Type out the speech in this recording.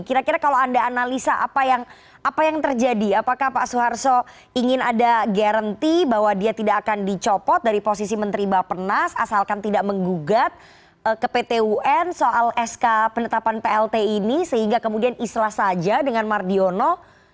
kira kira kalau anda analisa apa yang terjadi apakah pak soeharto ingin ada garanti bahwa dia tidak akan dicopot dari posisi menteri bapenas asalkan tidak menggugat ke pt un soal sk penetapan plt ini sehingga kemudian islah saja dengan mardiono